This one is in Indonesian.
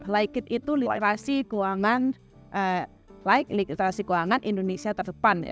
like it itu literasi keuangan indonesia terdepan